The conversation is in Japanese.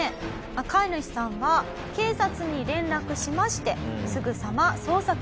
飼い主さんは警察に連絡しましてすぐさま捜索が始まりました。